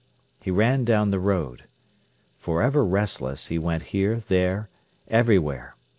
He ran down the road. For ever restless, he went here, there, everywhere.